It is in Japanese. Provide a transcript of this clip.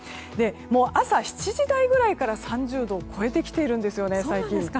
朝７時台ぐらいから３０度を超えてきているんですよね。